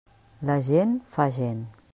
La gent fa gent.